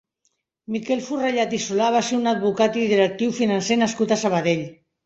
Miquel Forrellad i Solà va ser un advocat i directiu financer nascut a Sabadell.